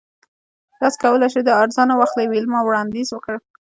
تاسو کولی شئ دا ارزانه واخلئ ویلما وړاندیز وکړ